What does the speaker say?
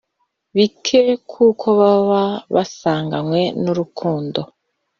bike, kuko baba basanganywe n’urukundo,